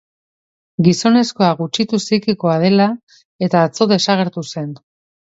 Gizonezkoa gutxitu psikikoa da eta atzo desagertu zen.